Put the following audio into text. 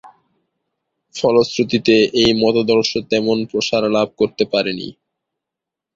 ফলশ্রুতিতে এই মতাদর্শ তেমন প্রসার লাভ করতে পারেনি।